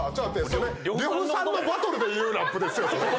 それ呂布さんのバトルで言うラップですよ。